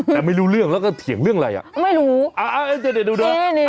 แต่ไม่รู้เรื่องแล้วก็เถียงเราเรื่องอะไร